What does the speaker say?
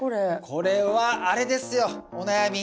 これはあれですよお悩み。